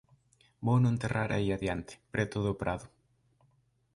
Vouno enterrar aí adiante, preto do prado...